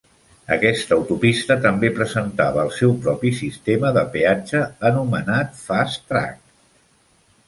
Aquesta autopista també presentava el seu propi sistema de peatge anomenat "FasTrak".